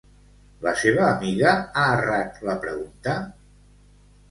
La seva amiga ha errat la pregunta?